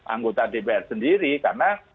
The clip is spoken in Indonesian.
anggota dpr sendiri karena